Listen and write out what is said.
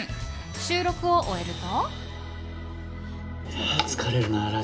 収録を終えると。